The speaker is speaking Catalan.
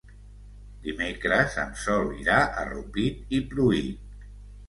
Dimecres en Sol irà a Rupit i Pruit.